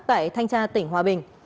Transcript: tại thanh tra tỉnh hòa bình